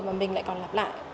mà mình lại còn lặp lại